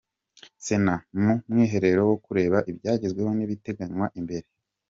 Sena mu mwiherero wo kureba ibyagezweho n’ibiteganywa imbere